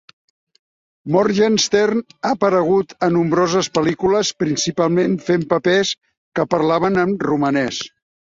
Morgenstern ha aparegut a nombroses pel·lícules, principalment fent papers que parlaven en romanès.